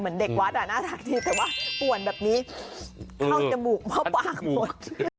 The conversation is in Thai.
เด็กวัดอ่ะน่ารักดีแต่ว่าป่วนแบบนี้เข้าจมูกหม้อปากหมด